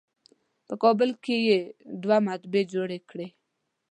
په کابل کې یې دوه مطبعې جوړې کړې.